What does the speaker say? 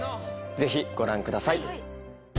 ぜひご覧ください。